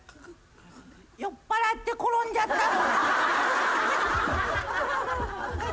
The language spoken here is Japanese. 酔っぱらって転んじゃったの。